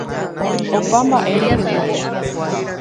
Opa mba'e rehegua.